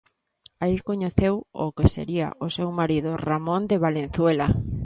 Aí coñeceu ao que sería o seu marido, Ramón de Valenzuela.